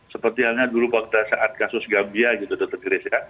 seperti halnya dulu pada saat kasus gambia gitu dokter grace ya